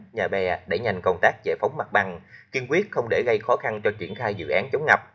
nhà bè đẩy nhanh công tác giải phóng mặt bằng kiên quyết không để gây khó khăn cho triển khai dự án chống ngập